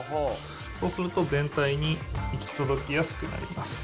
そうすると全体に行き届きやすくなります。